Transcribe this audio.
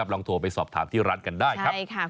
ลองโทรไปสอบถามที่ร้านกันได้ครับ